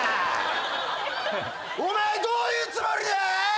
お前どういうつもりだ？